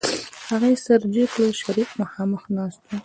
هغې سر جګ کړ شريف مخاخ ناست و.